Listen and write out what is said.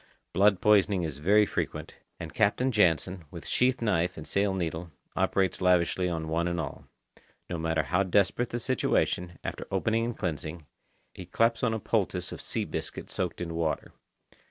Blood poisoning is very frequent, and Captain Jansen, with sheath knife and sail needle, operates lavishly on one and all. No matter how desperate the situation, after opening and cleansing, he claps on a poultice of sea biscuit soaked in water.